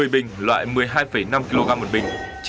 một mươi bình loại một mươi hai năm kg một bình